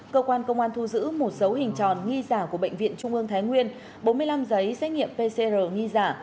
cơ quan công an thu giữ một số hình tròn nghi giả của bệnh viện trung ương thái nguyên bốn mươi năm giấy xét nghiệm pcr nghi giả